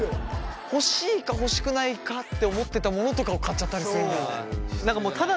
欲しいか欲しくないかって思ってたものとかを買っちゃったりするんだよね。